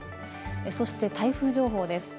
そして台風情報です。